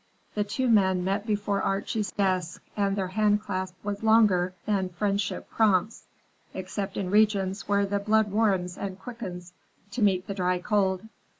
The two men met before Archie's desk and their handclasp was longer than friendship prompts except in regions where the blood warms and quickens to meet the dry cold.